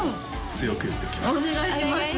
強く言っておきます